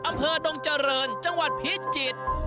อำเภอดงเจริญจังหวัดพิจิตร